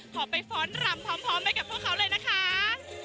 ขอไปฟ้อนรำพร้อมไปกับพวกเขาเลยนะคะ